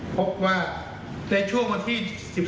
พบว่าในช่วงวันที่๑๖